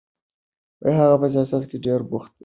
هغه په سیاست کې ډېر بوخت شو.